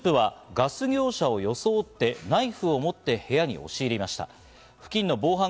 犯行グループはガス業者を装ってナイフを持って部屋に押し入りました。